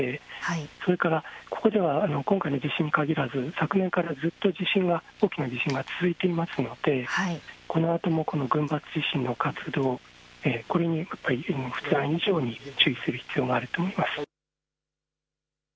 それからここでは今回の地震に限らず昨年からずっと大きな地震が続いていますのでこのあとも群発地震の活動、これにふだん以上に注意する必要があると思います。